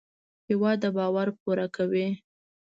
هېواد د باور پوره کوي.